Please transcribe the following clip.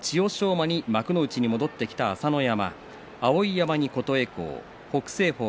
馬に幕内に戻ってきた朝乃山。